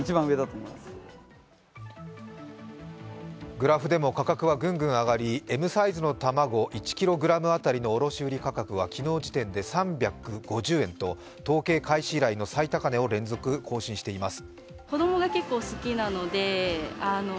グラフでも価格はぐんぐん上がり、Ｍサイズの卵１ｋｇあたりの卸売価格は昨日時点で３５０円と、統計開始以来の最高値を連日更新しています。